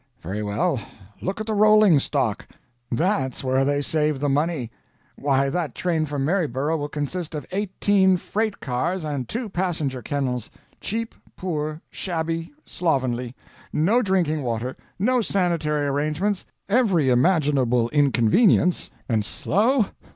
Very well look at the rolling stock. That's where they save the money. Why, that train from Maryborough will consist of eighteen freight cars and two passenger kennels; cheap, poor, shabby, slovenly; no drinking water, no sanitary arrangements, every imaginable inconvenience; and slow?